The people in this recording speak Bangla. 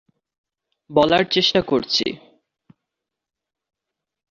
বলার চেষ্টা করছি।